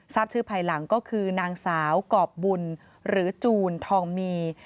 ทราบชื่อภายหลังก็คือนางสาวกรอบบุญหรือจูนทองมี